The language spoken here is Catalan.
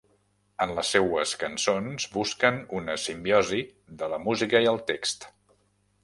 En les seues cançons busquen una simbiosi de la música i el text.